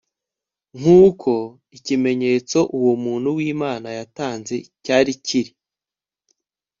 nkuko ikimenyetso uwo muntu wImana yatanze cyari kiri